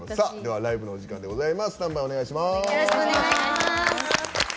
ライブのお時間でございます。